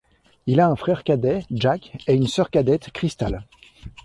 Il a un frère cadet, Jack, et une sœur cadette, Crystal.